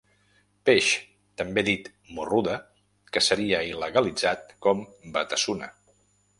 Peix, també dit morruda, que seria il·legalitzat com Batasuna.